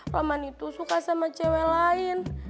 paman itu suka sama cewek lain